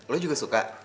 lo juga suka